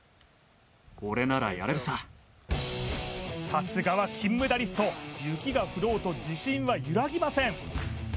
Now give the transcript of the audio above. さすがは金メダリスト雪が降ろうと自信は揺らぎません